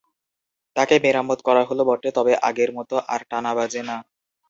তাকে মেরামত করা হলো বটে, তবে আগের মতো আর টানা বাজে না।